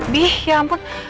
bih ya ampun